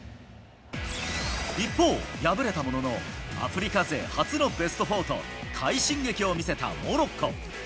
一方、敗れたもののアフリカ勢初のベスト４と快進撃を見せたモロッコ。